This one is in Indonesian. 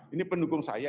ini pendukung saya